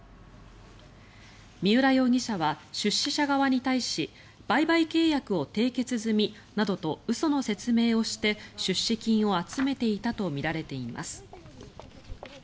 三浦容疑者は出資者側に対し売買契約を締結済みなどと嘘の説明をして出資金を集めていたとみられています。